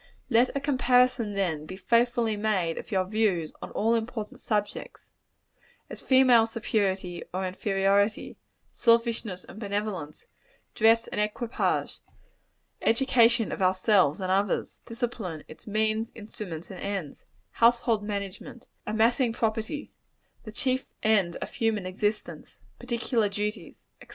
Let a comparison, then, be faithfully made of your views on all important subjects: as female superiority or inferiority; selfishness and benevolence; dress and equipage; education of ourselves and others; discipline its means, instruments and ends; household management; amassing property; the chief end of human existence; particular duties, &c.